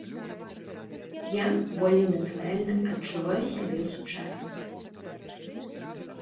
Я болей натуральна адчуваю сябе ў сучаснасці.